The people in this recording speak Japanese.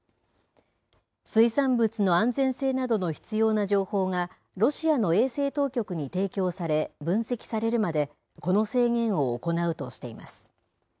水産物の安全性などの必要な情報が、ロシアの衛生当局に提供され、分析されるまでこの制限を行うとしています。